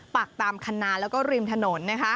ปักตามคณะและก็ริมถนน